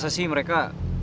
gua rasa sih mereka